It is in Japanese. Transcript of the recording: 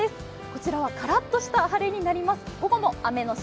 こちらはカラッとした晴れになります。